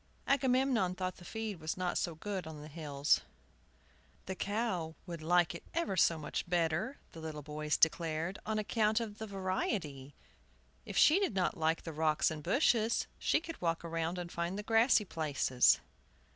Agamemnon thought the feed was not so good on the hills. "The cow would like it ever so much better," the little boys declared, "on account of the variety. If she did not like the rocks and the bushes, she could walk round and find the grassy places."